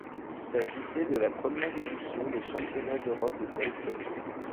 Il s'agissait de la première édition des championnats d'Europe de taekwondo.